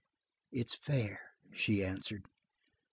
"It's fair," she answered.